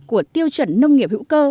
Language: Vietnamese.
của tiêu chuẩn nông nghiệp hữu cơ